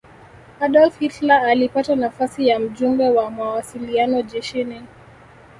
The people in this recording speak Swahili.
adolf hitler alipata nafasi ya mjumbe wa mawasiliano jeshini